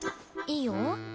いいよ。